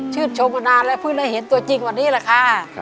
ชื่นชมมานานแล้วเพื่อนแล้วเห็นตัวจริงวันนี้แหละค่ะ